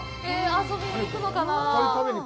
遊びに行くのかなあ。